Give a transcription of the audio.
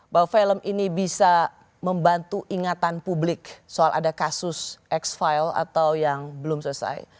bahwa film ini bisa membantu ingatan publik soal ada kasus ex file atau yang belum selesai